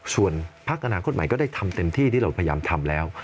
ส่วนพักอนาคตใหม่ก็ได้ทำเต็มที่ที่เราพยายามทำแล้ว